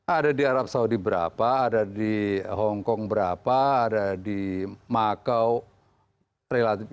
ada di arab saudi berapa ada di hongkong berapa ada di makau relatif